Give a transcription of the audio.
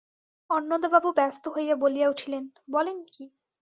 অন্নদাবাবু ব্যস্ত হইয়া বলিয়া উঠিলেন, বলেন কী।